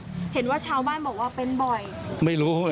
เห็นว่าชาวบ้านบอกว่าเป็นบ่อย